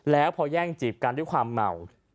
แล้วพอแย่งจีบกันด้วยความเมา